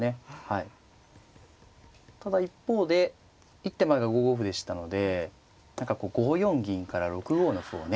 ただ一方で一手前が５五歩でしたので何かこう５四銀から６五の歩をね